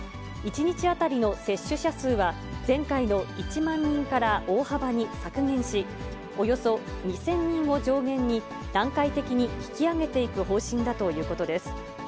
１日当たりの接種者数は、前回の１万人から大幅に削減し、およそ２０００人を上限に、段階的に引き上げていく方針だということです。